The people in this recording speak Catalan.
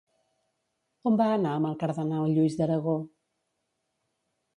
On va anar amb el cardenal Lluís d'Aragó?